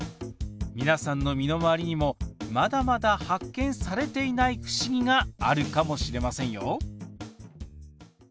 みなさんの身の回りにもまだまだ発見されていない不思議があるかもしれませんよ。